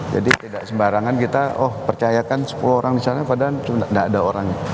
jadi tidak sembarangan kita oh percayakan sepuluh orang di sana padahal tidak ada orang